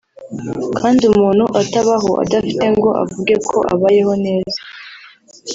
kandi umuntu atabaho adafite ngo avuge ko abayeho neza